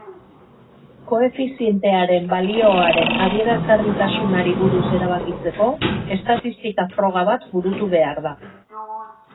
Koefizientearen balioaren adierazgarritasunari buruz erabakitzeko, estatistika-froga bat burutu behar da.